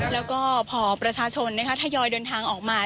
แล้วก็พอประชาชนทยอยเดินทางออกมา